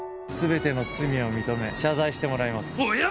全ての罪を認め謝罪してもらいます。